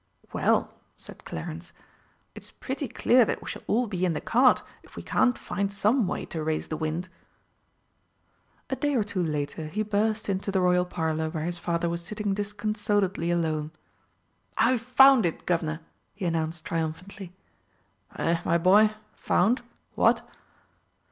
"Well," said Clarence, "it's pretty clear that we shall all be in the cart if we can't find some way to raise the wind." A day or two later he burst into the Royal Parlour where his father was sitting disconsolately alone. "I've found it, Guv'nor," he announced triumphantly. "Eh, my boy, found, what?"